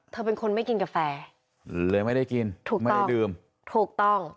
เธอเป็นคนไม่กินกาแฟเลยไม่ได้กินถูกไม่ได้ดื่มถูกต้อง